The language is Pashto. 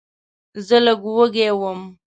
زه لږ وږی وم.